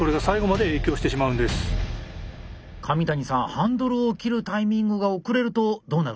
ハンドルを切るタイミングが遅れるとどうなるんですか？